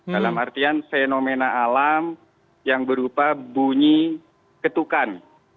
dalam artian fenomena alam yang berupa bunyi ketukan